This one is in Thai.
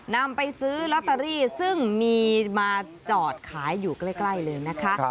นำไปซื้อลอตเตอรี่ซึ่งมีมาจอดขายอยู่ใกล้เลยนะคะ